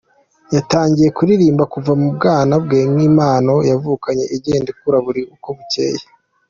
Yatangiye kuririmba kuva mu bwana bwe nk’impano yavukanye igenda ikura buri uko bucyeye.